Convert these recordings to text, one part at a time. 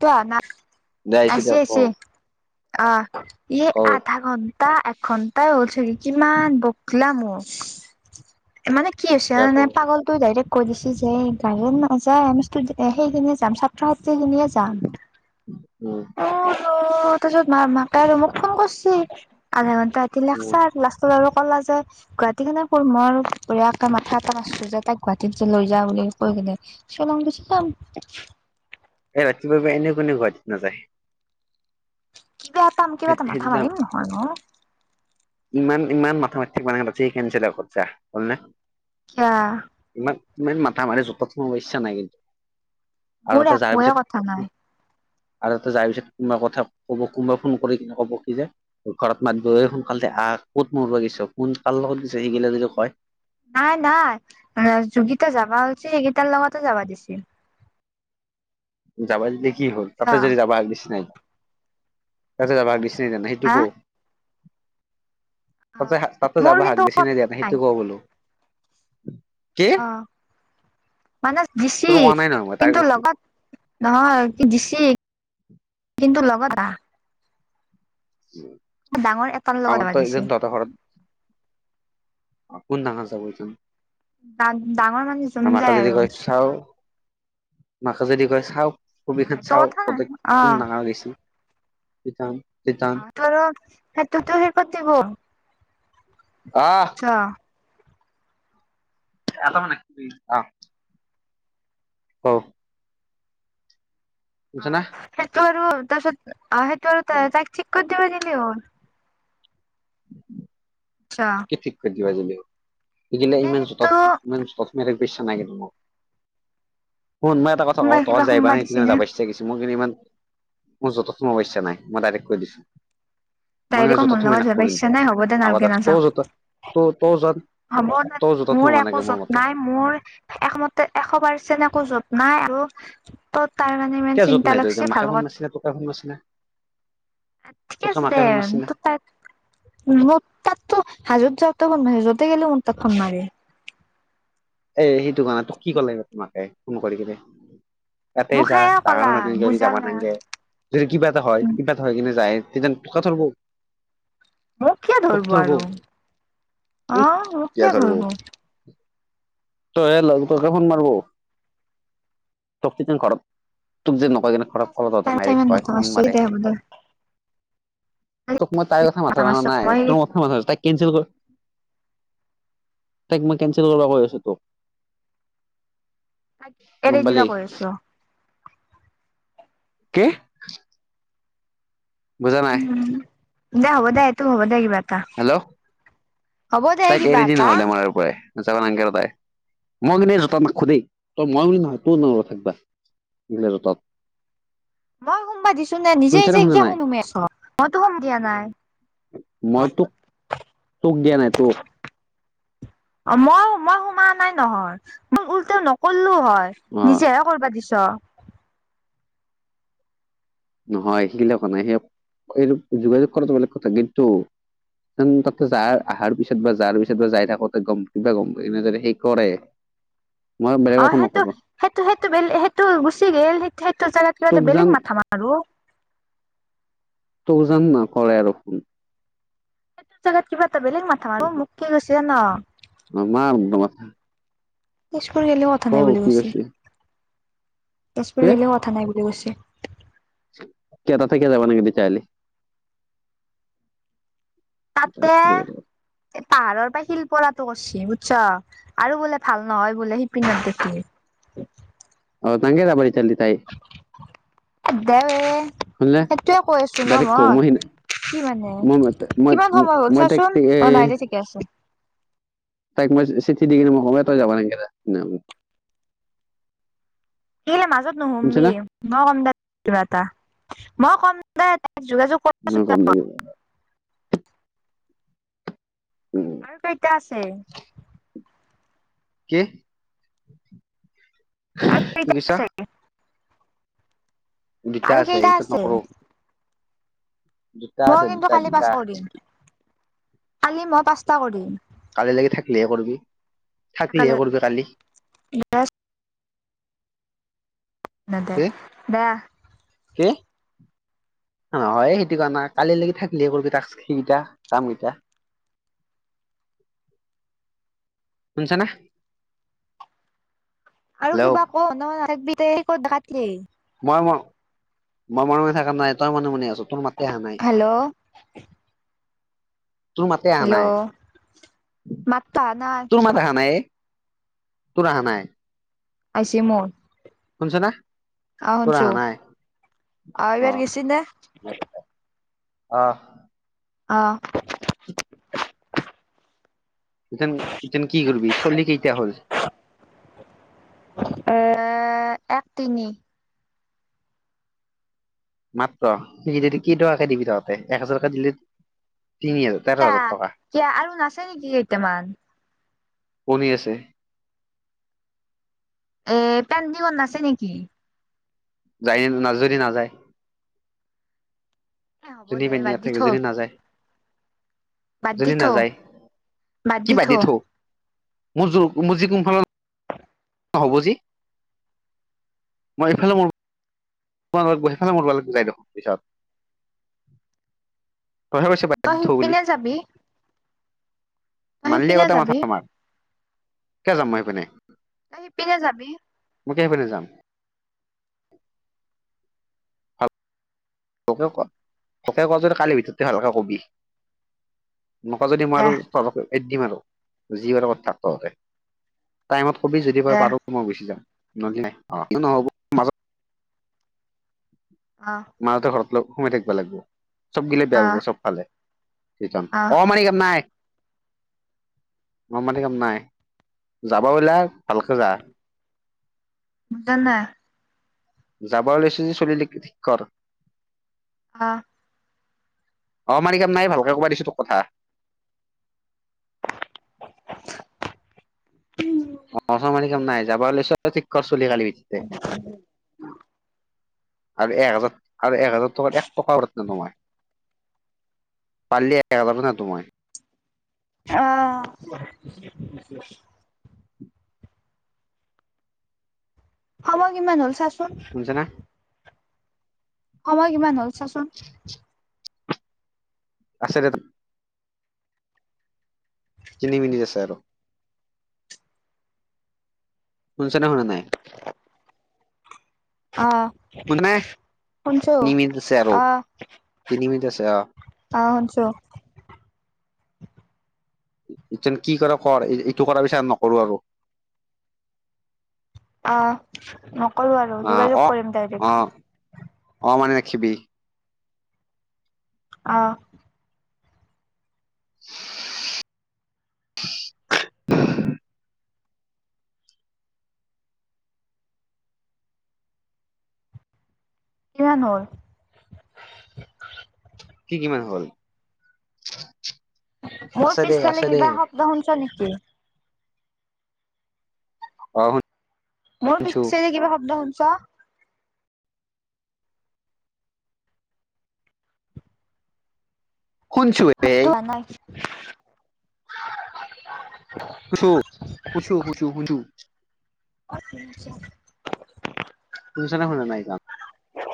ত না দে আহিছে আছে, দিয়ক কওঁ আছে অ ই কওঁ আধা ঘণ্টা তাৰ এঘণ্টা হল হৈছে কি কিমান বকলা ম মানে কি হৈছে দে জানা নে কওঁ পাগল টোৱে ডাইৰেক্ট কৈ দিছি যে গায়ক নাযায়। সেইখিনিয়ে যাম ছাত্ৰ ছাত্ৰী খিনিয়ে যাম। উম অ আৰু তাৰপিছত মা মাকে আৰু মোক ফোন কৰচি আধা ঘন্টা এ উম। লেকচাৰ লাষ্ট, সুল আৰু কলা যে গুৱাহাটী কেনে পঢ় ম আৰু পোৰাকে মাথা এটা মাৰছো যে তাইক গুৱাহাটীত যে লৈ যাওঁ বুলি কৈ গলে শ্বিলঙ গুচি যাম। এই ৰাতিপুৱা এনেও কোনো গুৱাহাটী নাযায়। কয়া তম কিবা ত সেইটো মাথা যাম মাৰিম নহয় নো ইমান মাঠা মাৰি থাকিব নালাগে যি খেলিছা তাত খৰছা। সেয়া। ইমান ইমান মাথা মাৰি যাকত জাব ইচ্ছা নাই কিন্তু আৰু মোৰ তাতে যাৰ একোৱে কথা নাই পিছত আৰু ততে যাই পিছত কোনোবাই কথা কব কোনোবাই ফোন কৰি কিনে ক'ব কি যে ঘৰত মাত বই ফোন হাল আহ কত মৰোৱা গৈছ কোন কাৰ লগত গছ সিগিলা যদি কয় নাই নাই যোগিতা যাবা হৈছিল সেইকেইটাৰ লগতে যাবা দিছিল। যাবা যদি কি হল অ তাপপতে যদি যাবা হাক দিছ নাই তপতে যাবা হাক দিছ জানে সেইটো হা হক অ তাতে তো মোৰ যাবা হাক কিন্তু দিছি নাই দিয়াই সেইটো কওঁ বোলো কি অ মানে দিছি তোৰ কোৱা নাই নহয় মই তাইক কিন্তু কৈছো লগত নহয় কি দিছি কিন্তু লগত আহ উ ডাঙৰ এটাৰ লগত যাবা আমাৰতো এই দিছি যে তত ঘৰত অ কোন ডাঙৰ যাবচোন ডাঙৰ মানে জুম আমাকো যায় যদি আৰু কয় চাও মাক যদি কয় চাওঁ চবি [unintelligible] খন সেইটো চাও কথা নাই পতে অ কোন ডাঙা গৈছিল তিতাম তিতাম কাৰণ সেটোতো সি ক'ত দিব আহ আচ্ছা এটা মানে আহ [unintelligible] অ অ শুনিছ না সেইটো আৰু তাৰপিছত অ সেইটো আৰু তাক ঠিক কৰি দিবা নিলে হ'ল আচ্ছা কি ঠিক কৰি দিবা জেলেও ইগিলা মানে ইমান সেইটো [unintelligible] ইমান মেৰ বিশ্বাস নাই মোক শুন মই এটা কথা কওঁ সোমবাৰ কিবা তহঁত যাই সোমবাৰ পেনাই দিছি তে নে যাবাই [unintelligible] ছে মই কিন্তু ইমান ম যতস সোমাব ইচ্ছা নাই মই ডাইৰেক্ট কৈ দিছো মইনা ডাইৰেক্ট যত মোৰ যথত লগত মইনা যাব ইচ্ছা [unintelligible] নাই হ'ব দে আগ নালগে আ ত নাযাওঁ য ত ত য হ'ব দে মোৰ একো যত্নাই মোৰ একমতে এশ পাৰ্চেণ্ট একো যত নাই আৰু ত তাৰ মানে ইমান কিয় জোঁত চিন্তা নাই তই লাগছে মাকে ভাল ফোন মাৰছি না তোকে ফোন মাৰছি না কত ঠিকে তোকে আছে মাকে দে ফোন মাৰছি না ত তাই মোৰ তাত তো হাজোত যাওঁতেও মাৰ য'তে গ'লেও মোৰ তাত ফোন মাৰে এ সেইটো কাৰণে তোক কি ক'লে তোমাকে ফোন কৰি কিনে তাতে মোক যা সেয়া ডাঙৰ ক'লা মানুহ গি [unintelligible] লি যাবা বুজালা নালগে যদি কিবা এটা হয় কিবা এটা হয় কিনে যায় তেতিয়া কথাকো মোক কিয় তোক ধৰিব ধৰব আৰু অ উ মোক কিয় ধৰব ধৰিব তই হল ত ফোন মাৰব তোক কি যেন ঘৰত তোক যে ঠিকে আছে দে তাৰ কথা ইমান মাথা মাৰছ [unintelligible] দে [unintelligible] হ'ব দে তোক মই তাইৰ কথা মাথা মাঠা মাৰা মাৰছ নাই, মই তোৰ কথাত [unintelligible] কেনচেল ক'ৰ, তাইক মই কেনচেল কৰিব কৈ আছো তোক। তাইক গম এৰি পালি দিবা কৈ আছ। কি বুজা নাই উ দে হ'ব দে এইটো হ'ব দে কিবা এটা হেল্ল' হ'ব দে তাইক কিবা এৰি দি এটা নহলে আমাৰ পৰাই যাব [unintelligible] মইগিনে জোতা মাক খোধেই তই মই নহয় তোৰ ন থাকবা নিলে য'ত তত মই সোমবা দিছো নে নিজে শুনিছানে নিজে শুনা কিয় নাই সুমোমে আছ মইতো সোম দিয়া নাই মই তোক দিয়া নাই তোক মই মই সোমোৱা নাই নহয় মই উল্টও নকলোও হয় অ নিজে কৰবা দিছ। নহয়, সেইগিলাক হোৱা নাই সেই এই যোগাযোগ কৰাটো বেলেগ কথা কিন্তু- তাতে যাৰ অহাৰ পিছত বা যাৰ পিছত বা যাই থাকোতে গম কিবা গম এনেদৰে সেই কৰে। [unintelligible] বেলেগ একো অহ ', সেইটো নকৰো সেইটো সেইটো বেলে সেইটো গুচি গ'ল, সেইটো সেইটো জাগাত কিবা তোক এটা বেলেগ যেন মাথা মাৰো। তোযেন নকৰে আৰু ফোন। জাগাত কিবা এটা বেলেগ মাথা মাৰো মোক কি হৈছে না। [unintelligible] তেজপুৰি গেলেও ক কথা নাই বুলি কি কৈছে, তেজপুৰি কে গেলেও কথা নাই বুলি কৈছে। কিয় তাতে কি যাবা নেকি কাইলে [unintelligible] তেজপৰ গলেও। এই পাহাৰৰ পৰা শিলপৰাটো কৈছে বুজছ আৰু বোলে ভাল নহয় বোলে শিপিনত দেখি। অহ ', কেনেকে যাব তেতিয়া হ'লে তাই। এ দে ৱে, শুনিলে সেইটোয়ে কৈ আছো ন ডাইৰেক্ট কওঁ মই। কি মানে মই মই কিমান সময় হ'ল মই তাইক চোৱাচোন, এ অহ ', নাইদে ঠিকে আছে। তাইক মই চিঠি দি কিনি কম তই যাবা নেকে [unintelligible] কেলে মাজত শুনিছা না নুহুমবি, মই কম দে কিবা এটা, মই কম দে তই যোগাযোগ আছো দে। [unintelligible] উম। আৰু কেইতা আছে? কি, আৰু কি কেইটা কৈছা? আছে দুটা আৰু আছে কেইটা এইটো নকৰো। দুটা মই আছে কিন্তু দুটা কালি দুটা পাঁচটা কৰিম, কালি মই পাঁচটা কৰিম। কালি লগে থাকিলিহে কৰিবি, কালি থাকিলিহে কৰিবি কালি। [unintelligible] কি [unintelligible] কি? নহয় সেইটো কাৰণে, কালিলৈকি থাকিলেহে টাস্ক কেইটা কাম কেইটা। শুনিছানে? আৰু হেল্ল' কিবা ক মই ম, মই মনে মনে থাকা নাই তই মনে মনে আছ, তোৰ মাত- হেল্ল'। তোৰ মাতে অহা নাই, হেল্ল' মাতটো আহা নাই তোৰ মাত অহা নাই এ। টোৰ অহা নাই। আহিছে মোৰ। শুনিছ না? আহ তোৰ শুনিছোঁ অহা নাই আৰু ইয়াত গৈছে নে? অহ। অ। ইতেন ইতেন কি কৰবি চল্লি কেইটা হ'ল? এ এক তিনি। মাত্ৰ সে কি টকাকে দিবি তহঁতে এক হাজাৰ টকা দিলে তিনি আৰু। কিয়, কিয় আৰু নাছে নেকি কেইটামান। শুনি আছে। এ টাৰ নাছে নেকি? যায়, নাযায় দি নাযায়। এ হ'ব যদি দে বাদ পেন্দিঙত দি থাকিব থৌ যদি নাযায়। বাদ দি যদি থৌ নাযায়, বাদ কি দি থৌ বাদদে থ, মোৰ মোৰ যি কোনফালৰ - নহব যে, মই এইফালে মোৰ- মই সেইফালে মৰবলাগব যায় দেখোন পিছত, তই হে কৈছ বান্ধি তই সিপিনে যাবি। তই মানিলি সিপিনে আগতে যাবি মাথা‌ মাৰ কিয় যাম মই সেইপিনে। তই সিপিনে যাবি। মই কিয় সেইপিনে যাম। মোকে ক মোকে ক যদি কালিৰ ভিতৰতে ভালকৈ কবি নকওঁ যদি মই দে আৰু এ দিম আৰু যি কৰ কৰি থাক তহঁতে টাইমত কবি যদি দে পাৰোঁ মই গুচি যাম নহ'লে নাই অ কিয় নহ'ব। মাজত অ। মাহঁতে ঘৰত লগ সোমাই থাকিব লাগব চব গিলে বেয়া অ পাব সব ফালে। অ মণি কেপ নাই। ম মাটি কাম নাই যাব বিলাক ভালকে যা। বুজানা। যাব ওলাইছোঁ যদি চুলি ঠিক কৰ। অ। অ মাটিকাম নাই ভালকে কবাই দিছোঁ তোক কথা। উম। আমাৰ ওচৰত মাটি কাম নাই যাবা লৈছ ঠিক কৰ চলি কালি পিঠিতে। আৰু এক হাজাৰ আৰু এক হাজাৰ টকাৰ এক টকা ৰেত নিদো মই। পালি একহাজাৰ তো মই। আ সময় কিমান হ'ল চাচোন? শুনিছনে? সময় কিমান হ'ল চাচোন? [unintelligible] আছে তেতা কিনি মেলি আছে আৰু। শুনি চ নে শুনা নাই? আহ শুনা নাই শুনছো আহ। তিনিমিটিত আছে অ। অ শুনছো। এতিয়েন কি কৰ কৰ, এই এইটো কৰা পিছত নকৰোঁ আৰু। অ নকৰোঁ আৰু আহ যোগাযোগ অ কৰিম অ ডাইৰেক্ট। অ মানে ৰাখিবি। অ। [unintelligible] কিমান হ'ল? কি কিমান হ'ল? মোৰ আছে দে পিছফালে আছে দে কিবা শব্দ শুনছ নেকি? অ হো মোৰ পিছে যে কিবা শব্দ শুনছ? শুনচু [unintelligible] কুছো কুছো শুছু শুনছো। [unintelligible] শুনিছ নে শুনা নাই জান?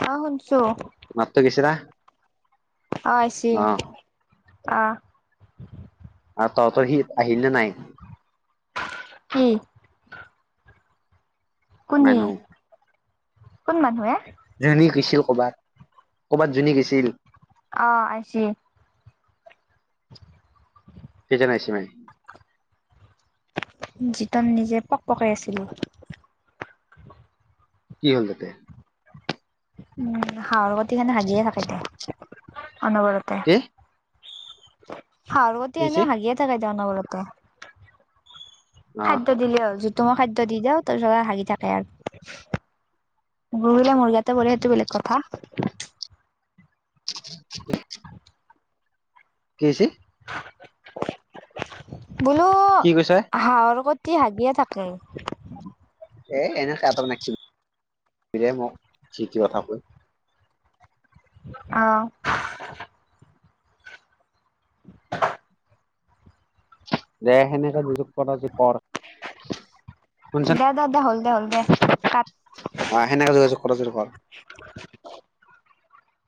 শুনছো মাতটো গেইছে না? আহ আইছে আহ। অ তহঁত সি আহিলে নাই? কি? কোনে? মানুহ কোন মানুহে? যেনি গৈছিল কৰ'বাত, ক'বাত যেনি গৈছিল। অ আছে। [inaudible] সেইজ নাই চি মে। যিটোন নিজে পক পকাই আছিলো। কি হ'ল তাতে? উম হাঁহৰ গতি কাৰনে হাগিয়ে থাকে দে, অনবৰতে। কে? কি সাৰুৱতী হৈছে এনেও হাগিয়ে থাকাই তেওঁ অনবৰতে। অ খাদ্য দিলে হ'ল যিটো মই খাদ্য দি দিওঁ তোৰত হাগি থাকে আৰু। গৰুবিলা মুৰ্গাতে সেইটো বেলেগ কথা। [unintelligible] কিছে? বোলো কি কৈছ হাঁহৰ কতি হাগিয়ে থাকে। এ এনে কাতৰ নাকি? ইৰে মোক যি তি কথা কয়। অ। দে সেনেকে যুযোগ কৰা যদি কৰ। শুনিছানে দে দে দে হ'ল দে হ'ল দে কাট আহ সেনেকা কৰ যদি কৰ।